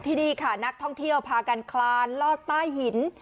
ที่นี่ค่ะนักท่องเที่ยวพากันคลานลอดใต้หิน